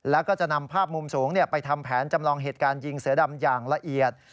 แล้วก็จะนำภาพมุมสูงไปทำแผนจำลองเหตุการณ์ยิงเสือดำอย่างละเอียด